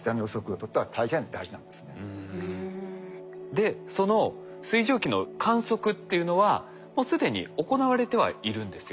でその水蒸気の観測っていうのはもう既に行われてはいるんですよ。